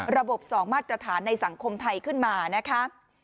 ระบบสองมาตรฐานในสังคมไทยขึ้นมานะคะ